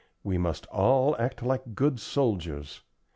We must all act like good soldiers.